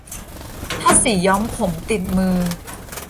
ถ้าสีย้อมผมติดมือ